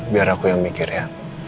biar aku yang mikir ya